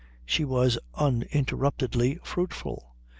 She was uninterruptedly fruitful.